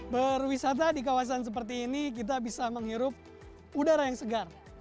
berwisata di kawasan seperti ini kita bisa menghirup udara yang segar